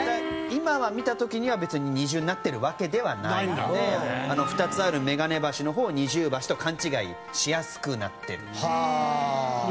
今は見た時には別に二重になってるわけではないので２つあるめがね橋の方を二重橋と勘違いしやすくなってる。